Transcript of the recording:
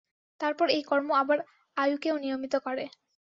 তারপর এই কর্ম আবার আয়ুকেও নিয়মিত করে।